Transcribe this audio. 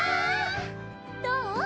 どう？